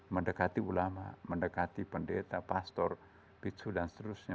mendekati ulama mendekati pendeta pastor bitsu dan seterusnya